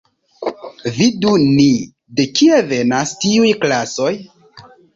Vidu ni, de kie venas tiuj klasoj.